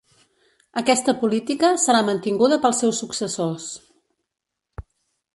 Aquesta política serà mantinguda pels seus successors.